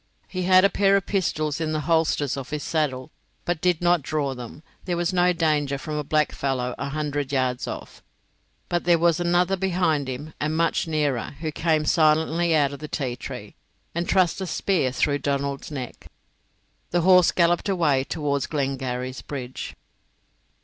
He had a pair of pistols in the holsters of his saddle, but he did not draw them: there was no danger from a blackfellow a hundred yards off. But there was another behind him and much nearer, who came silently out of the ti tree and thrust a spear through Donald's neck. The horse galloped away towards Glengarry's bridge.